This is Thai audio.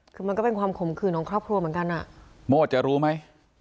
คือมันก็เป็นความขมขืนของครอบครัวเหมือนกันอ่ะโมดจะรู้ไหม